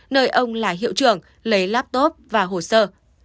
nơi ông là hiệu trưởng lấy laptop và hồ sơ